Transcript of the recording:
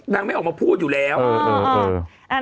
น้องไม่ออกมาพูดอยู่แล้วเออเออ